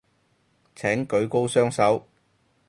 請舉高雙手